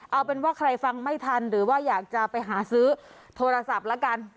เอาเป็นว่าใครฟังไม่ทันหรือว่าอยากจะไปหาซื้อโทรศัพท์ละกัน